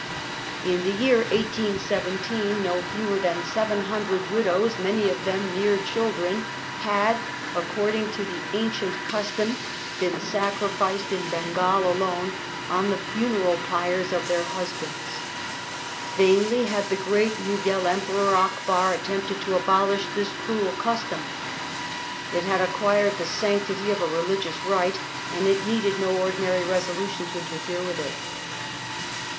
In the year 1817 no fewer than 700 widows, many of them mere children, had, according to this ancient custom, been sacrificed in Bengal alone, on the funeral pyres of their husbands. Vainly had the great Mughal Emperor Akbar attempted to abolish this cruel custom. It had acquired the sanctity of a religious rite, and it needed no ordinary resolution to interfere with it.